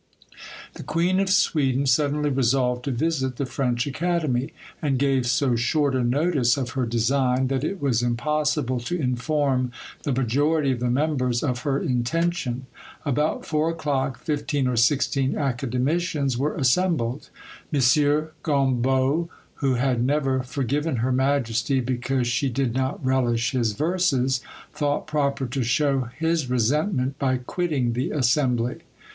The Queen of Sweden suddenly resolved to visit the French Academy, and gave so short a notice of her design, that it was impossible to inform the majority of the members of her intention. About four o'clock fifteen or sixteen academicians were assembled. M. Gombaut, who had never forgiven her majesty, because she did not relish his verses, thought proper to show his resentment by quitting the assembly.